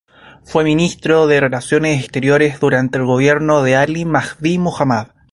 Fue ministro de Relaciones Exteriores durante el gobierno de Ali Mahdi Muhammad.